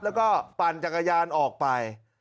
แล้วก็ปั่นจักรยานออกไป